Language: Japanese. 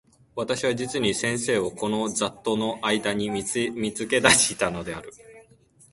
私は実に先生をこの雑沓（ざっとう）の間（あいだ）に見付け出したのである。